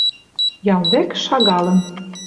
Ял вӹк шагалын